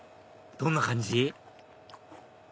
どんな感じ？